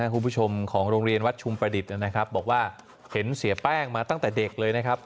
คุณผู้ชมของโรงเรียนวัดชุมประดิษฐ์นะครับบอกว่าเห็นเสียแป้งมาตั้งแต่เด็กเลยนะครับ